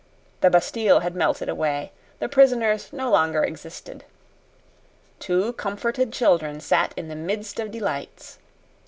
The Bastille had melted away, the prisoners no longer existed. Two comforted children sat in the midst of delights.